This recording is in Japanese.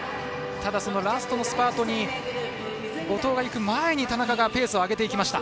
ただ、ラストのスパートに後藤が行く前に田中が上げていきました。